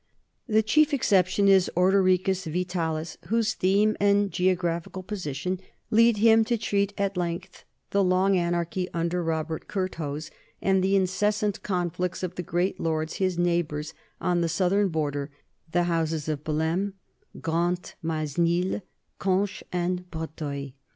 The chief exception is Orderi cus Vitalis, whose theme and geographical position lead him to treat at length the long anarchy under Robert Curthose and the incessant conflicts of the great lords his neighbors on the southern border, the houses of Bellme, Grentemaisnil, Conches, and Breteuil.